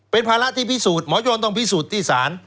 เป็นภาระที่พิสูจน์หมอโยนต้องพิสูจน์ที่ศาล